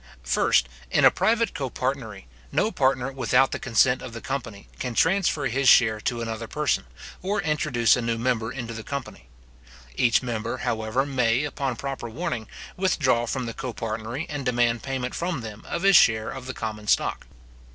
First, In a private copartnery, no partner without the consent of the company, can transfer his share to another person, or introduce a new member into the company. Each member, however, may, upon proper warning, withdraw from the copartnery, and demand payment from them of his share of the common stock.